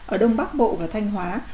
ở đông bắc bộ và thanh hóa